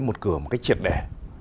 một cửa một chiệt đẻ